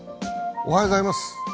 おはようございます。